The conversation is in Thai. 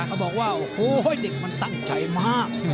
เขาบอกว่าโอ้โหเด็กมันตั้งใจมาก